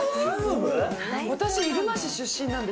入間市出身なんです。